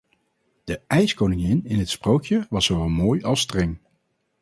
De Ijskoningin in het sprookje was zowel mooi als streng.